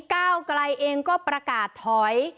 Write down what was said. ก้าวไกลเองก็ประกาศถอย